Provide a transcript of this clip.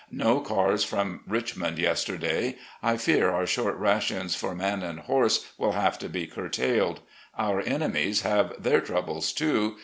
No cars from Richmond yesterday. I fear our short rations for man and horse will have to ^ curtailed. Otir enemies have their troubles too.